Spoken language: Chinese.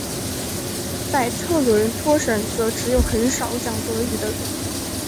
在特伦托省则只有很少讲德语的人。